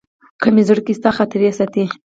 که مي زړګي ستا خاطرې ساتي